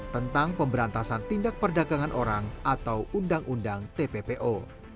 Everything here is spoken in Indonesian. tentang pemberantasan tindak perdagangan orang atau undang undang tppo